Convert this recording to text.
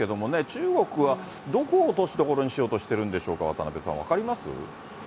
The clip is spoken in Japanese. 中国はどこを落としどころにしようとしてるんでしょうか、渡辺さ